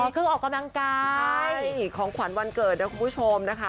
เครื่องออกกำลังกายของขวัญวันเกิดนะคุณผู้ชมนะคะ